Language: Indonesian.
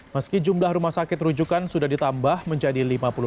meski jumlah rumah sakit rujukan sudah ditambah menjadi lima puluh delapan